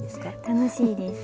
楽しいです。